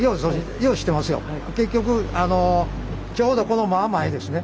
結局あのちょうどこの真ん前ですね。